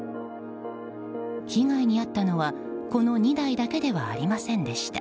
被害に遭ったのはこの２台だけではありませんでした。